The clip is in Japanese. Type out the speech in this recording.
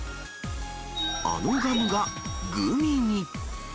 あのガムがグミに。